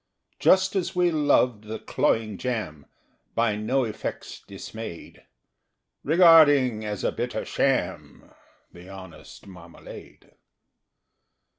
Just as we loved the cloying jam, By no effects dismay'd, Regarding as a bitter sham The honest marmalade.